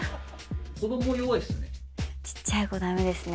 子ども、弱いですね。